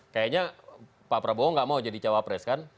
kayaknya pak prabowo nggak mau jadi cawapres kan